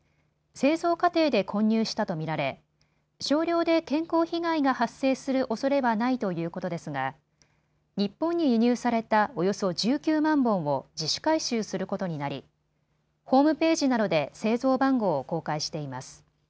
製造過程で混入したと見られ少量で健康被害が発生するおそれはないということですが日本に輸入されたおよそ１９万本を自主回収することになりホームページなどで製造番号を公開しています。